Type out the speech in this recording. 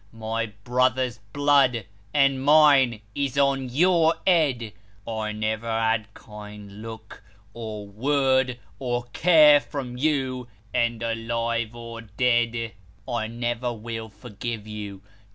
" My brother's blood, and mine, is on your head : I never had kind look, or word, or care, from you, and alive or dead, I never will forgive you.